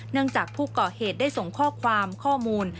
เนื่องจากผู้เกาะเหตุได้ส่งข้อความข้อมูล